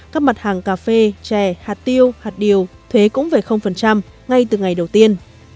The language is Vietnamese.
các mặt hàng cà phê chè hạt tiêu hạt điều thuế cũng về ngay từ ngày đầu tiên